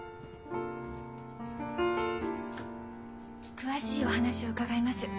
詳しいお話を伺います。